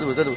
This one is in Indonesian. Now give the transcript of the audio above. tuh tuh tuh